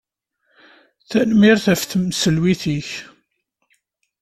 Tanemmirt ɣef tmesliwt-ik.